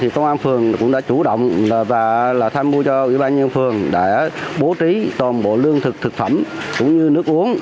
công an phường cũng đã chủ động và tham mưu cho ủy ban nhân phường đã bố trí toàn bộ lương thực thực phẩm cũng như nước uống